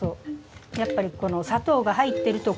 やっぱりこの砂糖が入ってるとコクが出る。